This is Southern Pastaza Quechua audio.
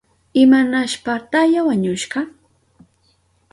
¿Imanashpataya wañushka?